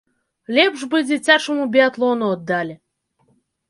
Лепш бы дзіцячаму біятлону аддалі.